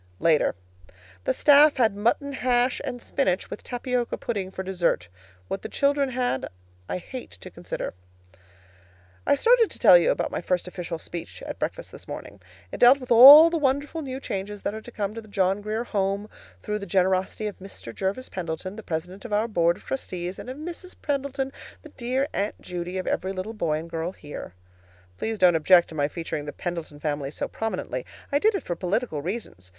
LATER. The staff had mutton hash and spinach, with tapioca pudding for dessert. What the children had I hate to consider. I started to tell you about my first official speech at breakfast this morning. It dealt with all the wonderful new changes that are to come to the John Grier Home through the generosity of Mr. Jervis Pendleton, the president of our board of trustees, and of Mrs. Pendleton, the dear "Aunt Judy" of every little boy and girl here. Please don't object to my featuring the Pendleton family so prominently. I did it for political reasons.